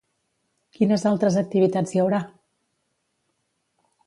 Quines altres activitats hi haurà?